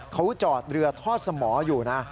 เขาจอดเรือทอดสมออยู่นะ